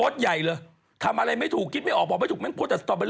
จะรุ่มเหรอ